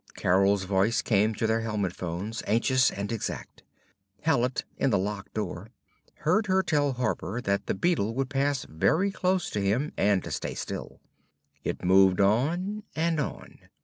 Carol's voice came to their helmet phones, anxious and exact. Hallet, in the lock door, heard her tell Harper that the beetle would pass very close to him and to stay still. It moved on and on.